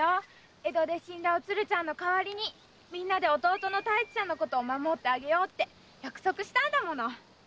江戸で死んだおつるちゃんの代わりにみんなで弟の太一ちゃんのこと守ってあげようって約束したの。